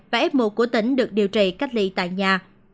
và f một của tỉnh được điều trị cách ly tại nhà